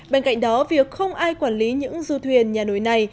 bên cạnh đó việc không ai quản lý những du thuyền nhà nổi này